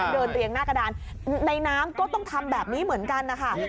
เรียงหน้ากระดานในน้ำก็ต้องทำแบบนี้เหมือนกันนะคะ